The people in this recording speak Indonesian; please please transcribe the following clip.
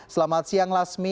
selamat siang laksmi